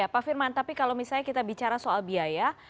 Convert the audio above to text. pak firman tapi kalau misalnya kita bicara soal biaya